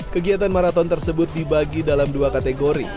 kegiatan maraton tersebut dibagi dalam dua kategori